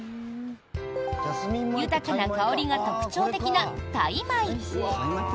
豊かな香りが特徴的なタイ米。